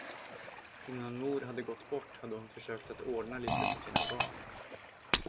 Innan mor hade gått bort hade hon försökt att ordna litet för sina barn.